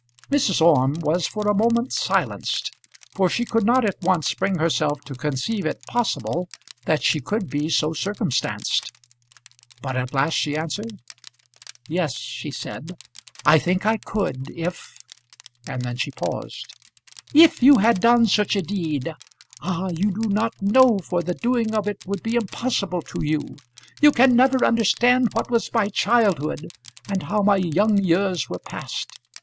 Mrs. Orme was for a moment silenced, for she could not at once bring herself to conceive it possible that she could be so circumstanced. But at last she answered. "Yes," she said, "I think I could, if ." And then she paused. "If you had done such a deed! Ah, you do not know, for the doing of it would be impossible to you. You can never understand what was my childhood, and how my young years were passed.